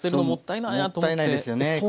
もったいないですよね。